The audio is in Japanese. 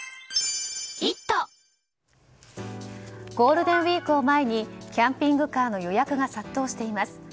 ゴールデンウィークを前にキャンピングカーの予約が殺到しています。